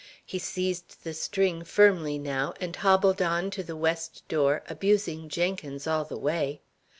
He seized the string firmly now, and hobbled on to the west door, abusing Jenkins all the way.